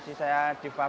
sebagai seorang budaya